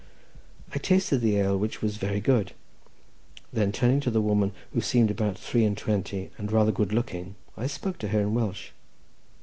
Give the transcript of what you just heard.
I tasted the ale, which was very good; then turning to the woman, who seemed about three and twenty, and was rather good looking, I spoke to her in Welsh.